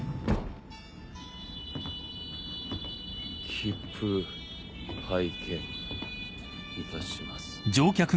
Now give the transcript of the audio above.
切符拝見いたします。